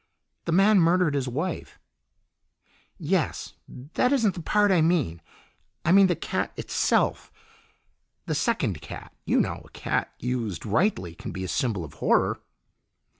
The man murdered his wife." "Yes. That isn't the part I mean. I mean the cat itself the second cat. You know a cat, used rightly, can be a symbol of horror."